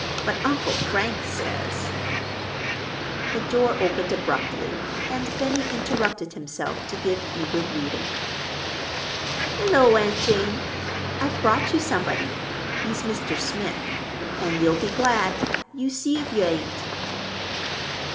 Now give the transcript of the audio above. But Uncle Frank says—" The door opened abruptly, and Benny interrupted himself to give eager greeting. "Hullo, Aunt Jane! I've brought you somebody. He's Mr. Smith. An' you'll be glad. You see if yer ain't!"